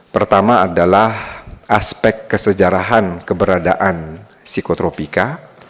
pertama adalah aspek kesejarahan keberadaan psikotropika